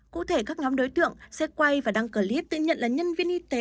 cụ thể các nhóm đối tượng sẽ quay và đăng clip tự nhận là nhân viên y tế